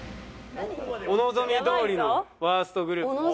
お望みどおりのワーストグループ。